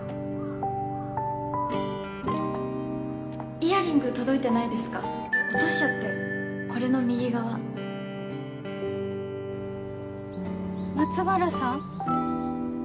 イヤリング届いてないですか落としちゃってこれの右側松原さん？